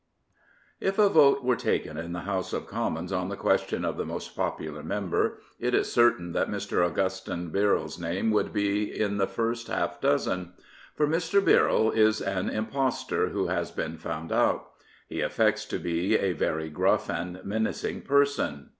If a vote were taken in the House of Commons on the question of the most popular member, it is certain that Mr. Augustine Birreirs name would be in the first half dozen. For Mr. Birrell is an impostor who has been found out. He affects to be a very gruff and menacing person.